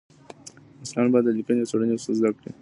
محصلان باید د لیکنې او څېړنې اصول زده کړي.